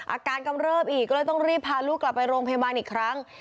กำเริบอีกก็เลยต้องรีบพาลูกกลับไปโรงพยาบาลอีกครั้ง